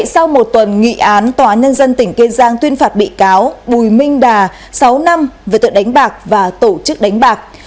sau một tuần nghị án tòa nhân dân tỉnh kiên giang tuyên phạt bị cáo bùi minh đà sáu năm về tội đánh bạc và tổ chức đánh bạc